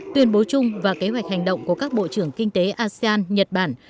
tuyên bố chung và kế hoạch hành động của các bộ trưởng kinh tế asean nhật bản